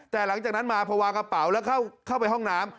แต่หลังจากนั้นมาพอวางกระเป๋าแล้วเข้าไปห้องน้ำ